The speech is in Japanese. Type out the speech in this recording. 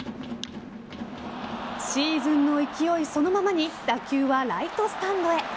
シーズンの勢いそのままに打球はライトスタンドへ。